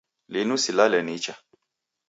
Linu silale nicha.